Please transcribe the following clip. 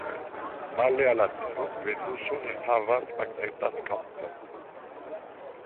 Male al la Tero, Venuso ne havas magnetan kampon.